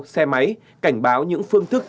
xe máy cảnh báo những phương thức